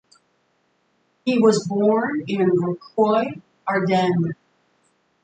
He was born in Rocroi, Ardennes.